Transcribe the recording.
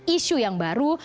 isu yang baru